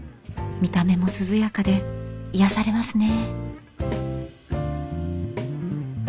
見た目も涼やかで癒やされますね。